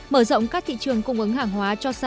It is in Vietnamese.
mở rộng các thị trường cung ứng hàng hóa cho sản phẩm